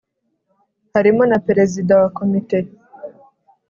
harimo na Perezida wa Komite